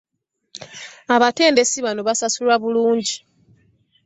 Abatendesi bano basasulwa bulungi.